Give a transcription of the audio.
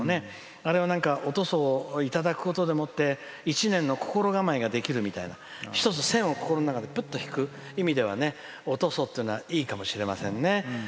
あれは、おとそをいただくことでもって一年の心構えができるみたいな一つ、線を心の中で引く意味ではおとそっていうのはいいかもしれませんね。